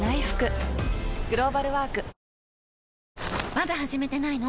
まだ始めてないの？